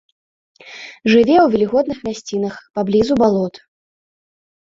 Жыве ў вільготных мясцінах, паблізу балот.